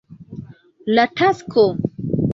La Tasko.